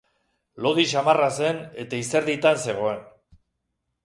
Lodi samarra zen eta izerditan zegoen.